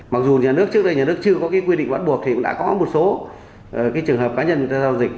mặc dù nhà nước trước đây nhà nước chưa có quy định bắt buộc thì đã có một số trường hợp cá nhân giao dịch